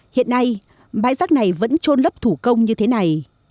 hiện nay bãi rác này vẫn trôn lấp thủ công như thế này